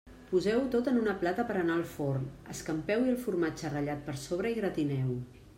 Poseu-ho en una plata per a anar al forn, escampeu-hi el formatge ratllat per sobre i gratineu-ho.